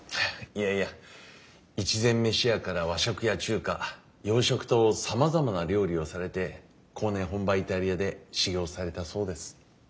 いやいや一膳飯屋から和食や中華洋食とさまざまな料理をされて後年本場イタリアで修業されたそうです。